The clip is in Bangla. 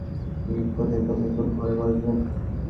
তাই টিভি কেনার আগে যাচাই করে নিন, কোথায় কোন ঘরে বসাবেন।